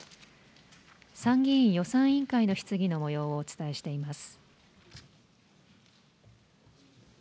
参議院予算委員会の質疑のもようをお伝えしています。